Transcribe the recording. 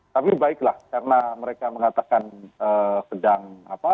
tapi baiklah karena mereka mengatakan sedang apa